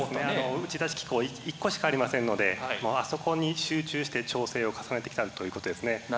打ち出し機構１個しかありませんのであそこに集中して調整を重ねてきたということですね。